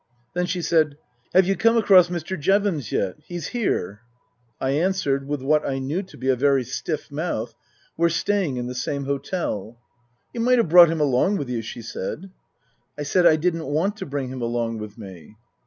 Then she said, " Have you come across Mr. Jevons yet ? He's here." I answered, with what I knew to be a very stiff mouth, " We're staying in the same hotel." " You might have brought him along with you," she said. I said I didn't want to bring him along with me.